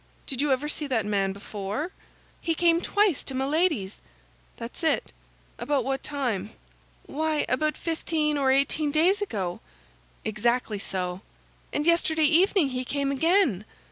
Did you ever see that man before?" "He came twice to Milady's." "That's it. About what time?" "Why, about fifteen or eighteen days ago." "Exactly so." "And yesterday evening he came again."